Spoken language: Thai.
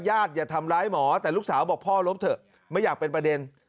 อย่าทำร้ายหมอแต่ลูกสาวบอกพ่อลบเถอะไม่อยากเป็นประเด็น